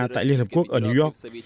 tại liên hợp quốc ở new york